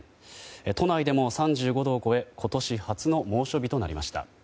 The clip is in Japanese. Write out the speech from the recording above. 都内でも３５度を超え今年初の猛暑日となりました。